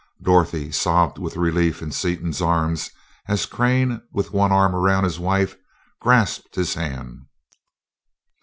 Dorothy sobbed with relief in Seaton's arms as Crane, with one arm around his wife, grasped his hand.